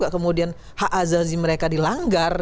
kemudian hak azazi mereka dilanggar